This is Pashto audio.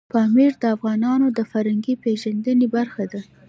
پامیر د افغانانو د فرهنګي پیژندنې برخه ده.